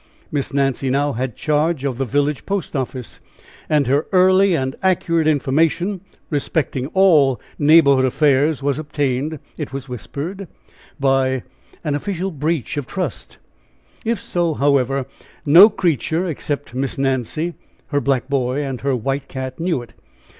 Miss Nancy now had charge of the village post office; and her early and accurate information respecting all neighborhood affairs, was obtained, it was whispered, by an official breach of trust; if so, however, no creature except Miss Nancy, her black boy, and her white cat, knew it.